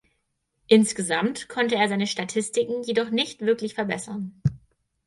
Insgesamt konnte er seine Statistiken jedoch nicht wirklich verbessern.